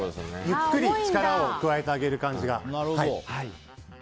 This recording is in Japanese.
ゆっくり力を加えてもらう感じで。